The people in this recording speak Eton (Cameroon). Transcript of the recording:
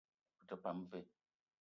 Ou te pam vé?